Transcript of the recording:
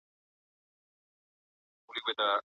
څنګه افغان صادروونکي تازه میوه اروپا ته لیږدوي؟